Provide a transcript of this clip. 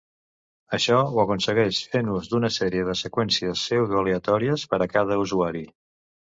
Això ho aconsegueix fent ús d'una sèrie de seqüències pseudoaleatòries per a cada usuari.